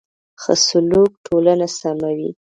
ښه سلوک ټولنه سموي.